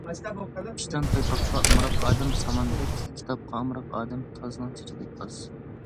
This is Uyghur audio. ئىشتان پايپاققا ئامراق ئادەم ساماندەك، كىتابقا ئامراق ئادەم تازنىڭ چېچىدەك ئاز.